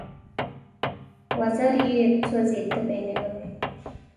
وزر یې سوزي تبې نیولی